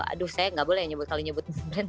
aduh saya gak boleh kalau nyebut brand